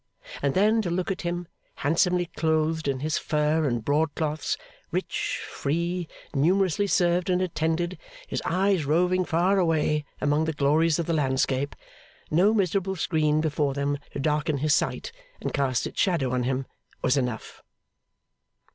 And then to look at him, handsomely clothed in his fur and broadcloths, rich, free, numerously served and attended, his eyes roving far away among the glories of the landscape, no miserable screen before them to darken his sight and cast its shadow on him, was enough.